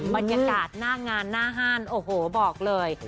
บรรยากาศหน้างานหน้าห้านโอ้โหบอกเลย